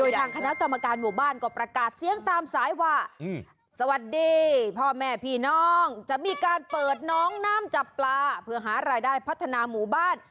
ทางคณะกรรมการหมู่บ้านก็ประกาศเสียงตามสายว่าสวัสดีพ่อแม่พี่น้องจะมีการเปิดน้องน้ำจับปลาเพื่อหารายได้พัฒนาหมู่บ้าน